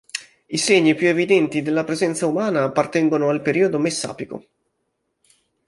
I segni più evidenti della presenza umana appartengono al periodo messapico.